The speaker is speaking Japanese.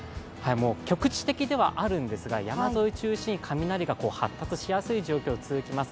局地的ではあるんですが、山沿いを中心に雷が発達しやすい状況が続きます。